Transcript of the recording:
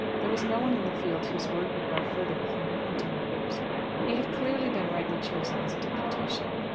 There was no one in the field whose word would go further with him in hunting matters. He had clearly been rightly chosen as a deputation.